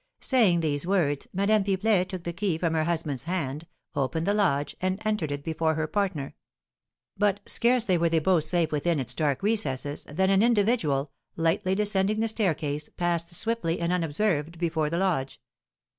Saying these words, Madame Pipelet took the key from her husband's hand, opened the lodge, and entered it before her partner; but scarcely were they both safe within its dark recesses, than an individual, lightly descending the staircase, passed swiftly and unobserved before the lodge.